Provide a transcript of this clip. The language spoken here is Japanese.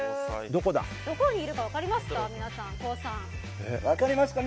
どこにいるか分かりますか？